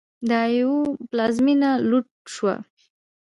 د اویو پلازمېنه لوټ شوه.